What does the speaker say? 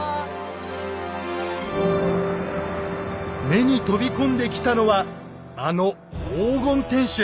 目に飛び込んできたのはあの黄金天守。